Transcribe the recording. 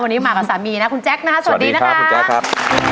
วันนี้มากับสามีนะคุณแจ๊คนะคะสวัสดีนะครับ